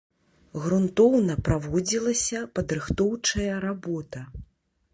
Грунтоўна праводзілася падрыхтоўчая работа.